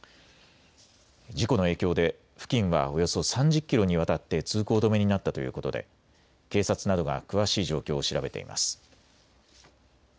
事故の影響で付近はおよそ３０キロにわたって通行止めになったということで警察などが詳しい状況を調べています。